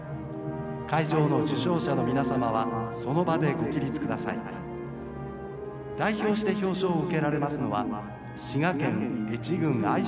会場の受賞者の皆様はその場でご起立ください。代表して表彰を受けられますのは滋賀県愛知郡愛荘町の西川喜久男さんです」。